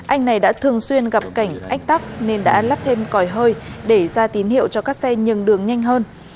anh này đã thường xuyên gặp cảnh ách tắc nên đã lắp thêm còi hơi để ra tín hiệu cho các xe nhường đường nhanh hơn